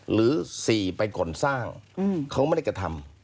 หรือ๔ไปขนสร้างเขาไม่ได้กระทำ